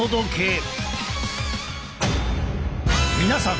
皆さん